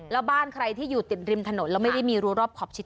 แล้วบ้านใครที่อยู่ติดริมถนนแล้วไม่ได้มีรัวรอบขอบชิด